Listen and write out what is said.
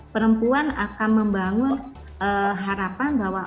perempuan akan membangun harapan bahwa